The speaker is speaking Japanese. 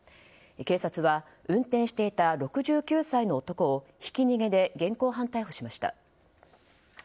警察は運転していた６９歳の男をひき逃げで現行犯逮捕しました。